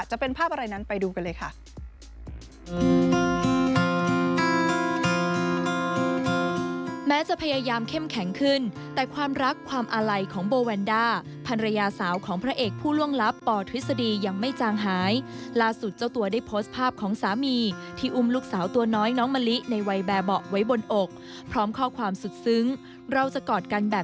จะเป็นภาพอะไรนั้นไปดูกันเลยค่ะ